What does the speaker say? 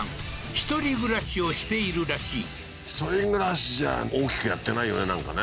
１人暮らしをしているらしい１人暮らしじゃ大きくやってないよねなんかね